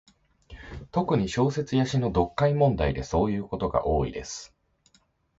特に、小説や詩の読解問題でそういうことが多いです。